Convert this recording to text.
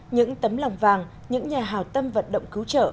những tấm lòng vàng những nhà hào tâm vận động cứu trợ